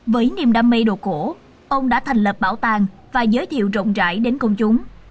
với niềm đam mê đồ cổ ông đã thành lập bảo tàng và giới thiệu rộng rãi đến công chúng